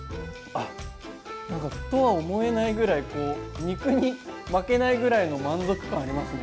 何か麩とは思えないぐらい肉に負けないぐらいの満足感ありますね